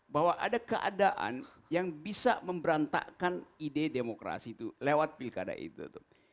bahwa ada keadaan yang bisa memberantakan ide demokrasi itu lewat pilkada itu